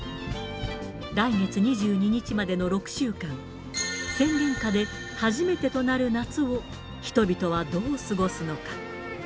来月２２日までの６週間、宣言下で初めてとなる夏を人々はどう過ごすのか。